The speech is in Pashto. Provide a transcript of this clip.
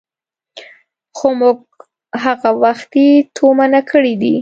خو موږ هغه وختي تومنه کړي دي.